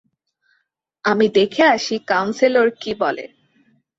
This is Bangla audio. আমি দেখে আসি কাউন্সেলর কি বলে।